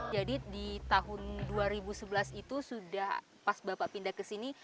jadi di tahun dua ribu sebelas itu sudah pas bapak pindah ke sini